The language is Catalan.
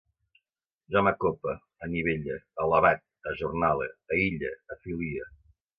Jo m'acope, anivelle, alabat, ajornale, aïlle, afilie